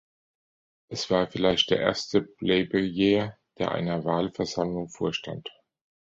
Er war vielleicht der erste Plebejer, der einer Wahlversammlung vorstand.